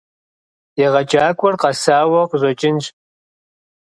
ЕгъэджакӀуэр къэсауэ къыщӀэкӀынщ.